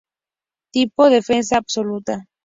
Tipo: "Defensa absoluta".